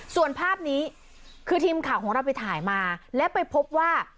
ส่วนภาพนี้คือทีมข่าวของเราไปถ่ายมาและไปพบว่า